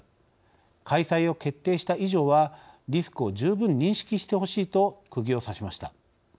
開催を決定した以上はリスクを十分認識してほしい」とくぎをさしました。